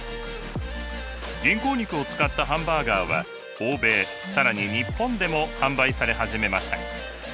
人工肉を使ったハンバーガーは欧米更に日本でも販売され始めました。